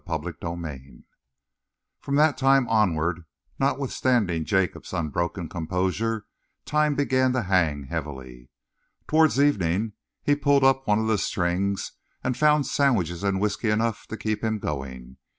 CHAPTER XXII From that time onward, notwithstanding Jacob's unbroken composure, time began to hang heavily. Towards evening, he pulled up one of his strings and found sandwiches and whisky enough to keep him going.